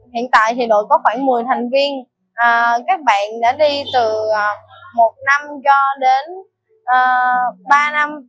hiện tại thì đội có khoảng một mươi thành viên các bạn đã đi từ một năm cho đến ba năm